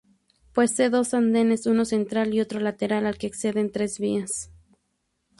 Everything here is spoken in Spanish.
Posee dos andenes, uno central y otro lateral al que acceden tres vías.